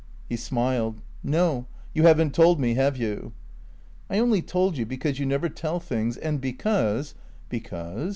He smiled. "No. You haven't told me, have you?" "I only told you because you never tell things, and because " "Because?"